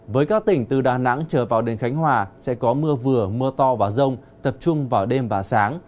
với các tỉnh từ đà nẵng trở vào đến khánh hòa sẽ có mưa vừa mưa to và rông tập trung vào đêm và sáng